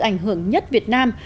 sự ảnh hưởng nhất việt nam